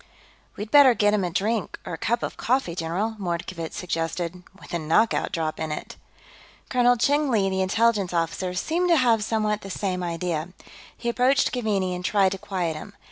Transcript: "We'd better get him a drink, or a cup of coffee, general," Mordkovitz suggested. "With a knockout drop in it." Colonel Cheng Li, the Intelligence officer, seemed to have somewhat the same idea. He approached Keaveney and tried to quiet him.